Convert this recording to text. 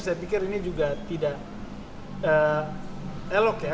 saya pikir ini juga tidak elok ya